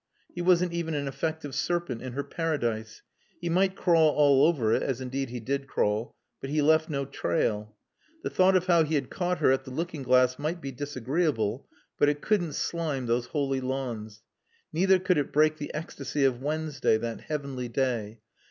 He wasn't even an effective serpent in her Paradise. He might crawl all over it (as indeed he did crawl), but he left no trail. The thought of how he had caught her at the looking glass might be disagreeable, but it couldn't slime those holy lawns. Neither could it break the ecstasy of Wednesday, that heavenly day.